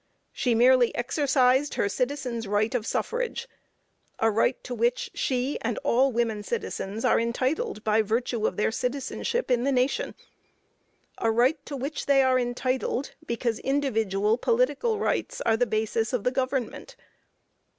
She merely exercised her citizen's right of suffrage a right to which she, and all women citizens are entitled by virtue of their citizenship in the nation a right to which they are entitled because individual political rights are the basis of the government.